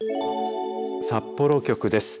札幌局です。